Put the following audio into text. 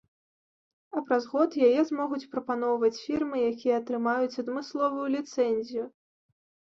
А праз год яе змогуць прапаноўваць фірмы, якія атрымаюць адмысловую ліцэнзію.